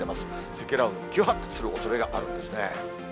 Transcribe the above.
積乱雲急発達するおそれがあるんですね。